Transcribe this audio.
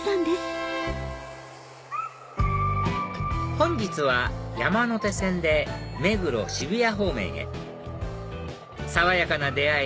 本日は山手線で目黒渋谷方面へ爽やかな出会い